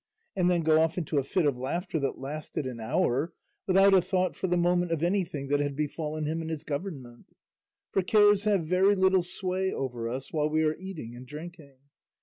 and then go off into a fit of laughter that lasted an hour, without a thought for the moment of anything that had befallen him in his government; for cares have very little sway over us while we are eating and drinking.